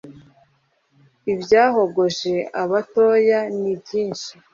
ibyahogoje abatoya nibyinshi